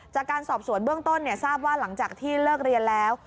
จากการสอบสวนเบื้องต้นทราบว่าหลังจากที่เลิกเรียนแล้ว